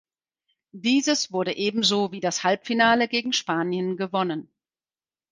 Dieses wurde ebenso wie das Halbfinale gegen Spanien gewonnen.